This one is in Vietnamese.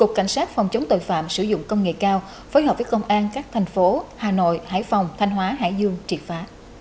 cục cảnh sát phòng chống tội phạm sử dụng công nghệ cao phối hợp với công an các thành phố hà nội hải phòng thanh hóa hải dương triệt phá